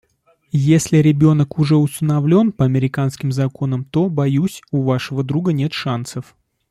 Если ребенок уже усыновлен по американским законам, то, боюсь, у вашего друга нет шансов.